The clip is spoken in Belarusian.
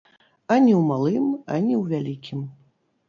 Ані ў малым, ані ў вялікім.